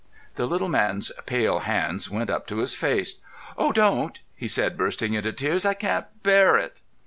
The little man's thin pale hands went up to his face. "Oh, don't!" he said, bursting into tears. "I can't bear it."